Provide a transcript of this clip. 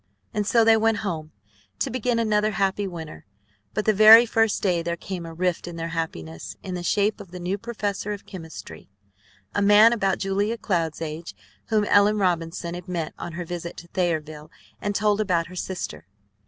And so they went home to begin another happy winter. But the very first day there came a rift in their happiness in the shape of the new professor of chemistry, a man about Julia Cloud's age, whom Ellen Robinson had met on her visit to Thayerville, and told about her sister.